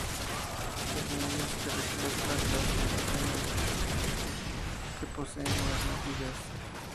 Las semillas que recolectan las almacenan en grandes bolsas que poseen en las mejillas.